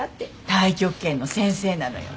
太極拳の先生なのよ。